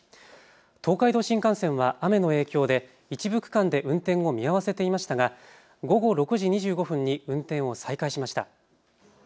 東海道新幹線は雨の影響で一部区間で運転を見合わせていましたが午後６時２５分に運転を再開しました。